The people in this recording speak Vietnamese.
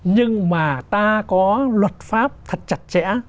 nhưng mà ta có luật pháp thật chặt chẽ